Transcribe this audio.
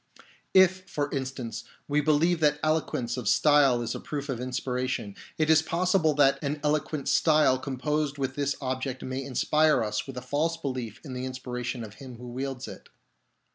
If, for instance, we believe that eloquence of style is a proof of inspiration, it is possible that an eloquent style composed with this object may inspire us with a false belief in the inspiration of him who wields it.